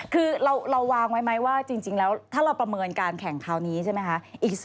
คือเราวางไว้ไหมว่าจริงแล้วถ้าเราประเมินการแข่งคราวนี้ใช่ไหมคะ